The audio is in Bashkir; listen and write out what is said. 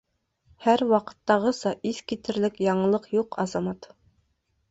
Һәр ваҡыттағыса, иҫ китерлек яңылыҡ юҡ, Азамат.